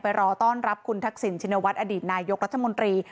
รอต้อนรับคุณทักษิณชินวัฒนอดีตนายกรัฐมนตรี